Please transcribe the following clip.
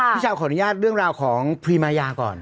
พี่ชาวขออนุญาตเรื่องราวของพรีมายาก่อน